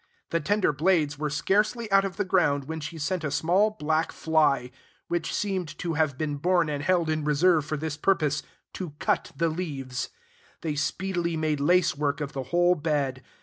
The tender blades were scarcely out of the ground when she sent a small black fly, which seemed to have been born and held in reserve for this purpose, to cut the leaves. They speedily made lace work of the whole bed.